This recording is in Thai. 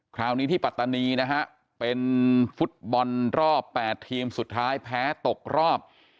คราวนี้ที่ปัตตานีนะฮะเป็นฟุตบอลรอบ๘ทีมสุดท้ายแพ้ตกรอบ